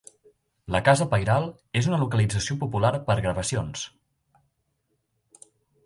La casa pairal és una localització popular per gravacions.